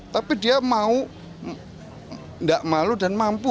tapi dia mau tidak malu dan mampu